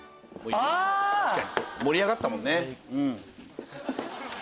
盛り上がったもんね。